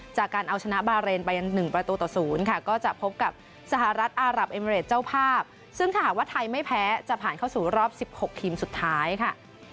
จากการเอาชนะบาเรนไป๑ประตูต่อ๐ค่ะก็จะพบกับสหรัฐอารับเอมิเรดเจ้าภาพซึ่งถ้าหากว่าไทยไม่แพ้จะผ่านเข้าสู่รอบ๑๖ทีมสุดท้ายค่ะ